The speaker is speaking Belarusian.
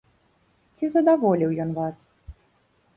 Ці задаволіў ён вас?